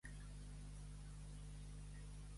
Desconfia d'aquell que no caga ni pixa.